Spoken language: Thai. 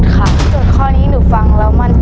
จุดข้อนี้หนูชอบเรียนเรื่องเสียงมากที่สุดค่ะ